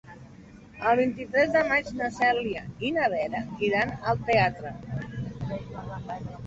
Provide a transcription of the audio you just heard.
El vint-i-tres de maig na Cèlia i na Vera iran al teatre.